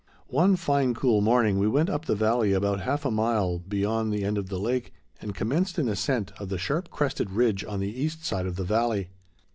One fine cool morning, we went up the valley about half a mile beyond the end of the lake, and commenced an ascent of the sharp crested ridge on the east side of the valley.